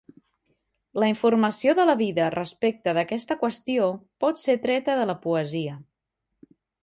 La informació de la vida respecte d'aquesta qüestió pot ser treta de la poesia.